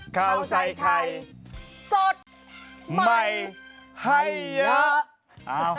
ข้าวใส่ไข่สดใหม่ให้เยอะ